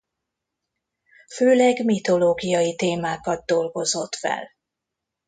Főleg mitológiai témákat dolgozott fel.